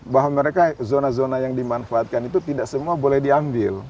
bahwa mereka zona zona yang dimanfaatkan itu tidak semua boleh diambil